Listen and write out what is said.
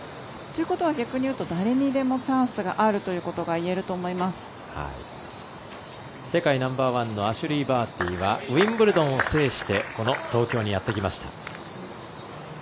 逆に言うと誰にでもチャンスがあると世界ナンバーワンのアシュリー・バーティはウィンブルドンを制してこの東京にやってきました。